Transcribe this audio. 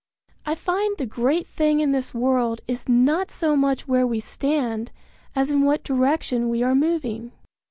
I find the great thing in this world is not so much where we stand as in what direction we are moving.